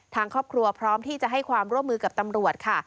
ทางครอบครัวพร้อมที่จะให้ความร่วมมือกับตำรวจค่ะ